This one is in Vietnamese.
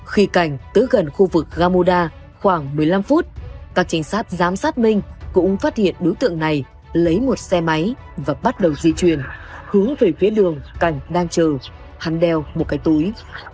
khi cảnh tới gần khu vực gamoda khoảng một mươi năm phút các trinh sát giám sát minh cũng phát hiện đối tượng này lấy một xe máy và bắt đầu di chuyển hướng về phía đường cảnh đang chờ hắn đeo một cái túi